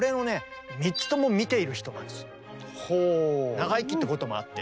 長生きってこともあって。